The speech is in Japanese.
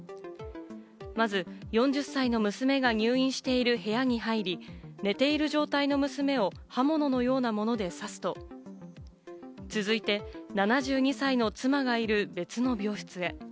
まず４０歳の娘が入院している部屋に入り、寝ている状態の娘を刃物のようなもので刺すと、続いて７２歳の妻がいる別の病室へ。